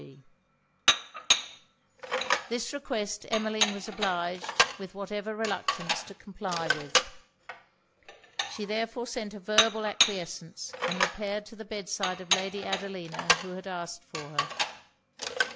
W. G.' This request, Emmeline was obliged, with whatever reluctance, to comply with. She therefore sent a verbal acquiescence; and repaired to the bed side of Lady Adelina, who had asked for her.